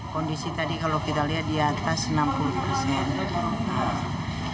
kondisi tadi kalau kita lihat di atas enam puluh persen